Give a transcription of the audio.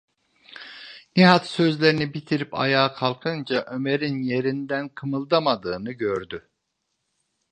Nihat sözlerini bitirip ayağa kalkınca Ömer’in yerinden kımıldamadığını gördü.